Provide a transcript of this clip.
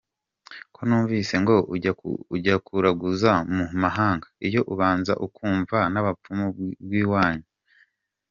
Ko numvise ngo ujya kuraguza mu mahanga, iyo ubanza ukumva n’abapfumu b’iwanyu?!